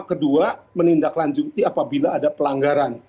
kedua menindaklanjuti apabila ada pelanggaran